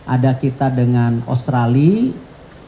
ada kita dengan australia